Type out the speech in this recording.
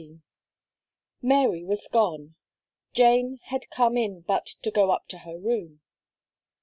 Mary was gone; Jane, had come in but to go up to her room.